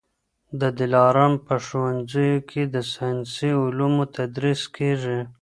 د دلارام په ښوونځیو کي د ساینسي علومو تدریس کېږي.